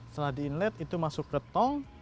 setelah di inlet itu masuk ke tol